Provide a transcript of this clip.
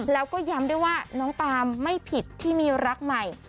แล้วก็ย้ำด้วยว่าน้องปามไม่ผิดที่มีรักใหม่